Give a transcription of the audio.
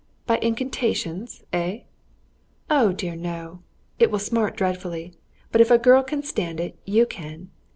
"By incantations, eh?" "Oh, dear no! It will smart dreadfully. But if a girl can stand it, you can."